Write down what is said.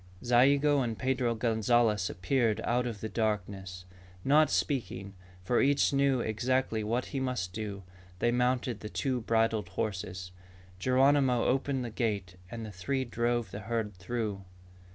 Zayigo and Pedro Gonzalez appeared out of the darkness. Not speaking, for each knew exactly what he must do, they mounted the two bridled horses. Geronimo opened the gate and the three drove the herd through.